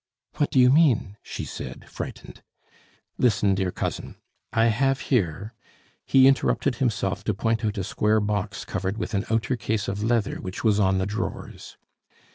"What do you mean?" she said, frightened. "Listen, dear cousin; I have here " He interrupted himself to point out a square box covered with an outer case of leather which was on the drawers.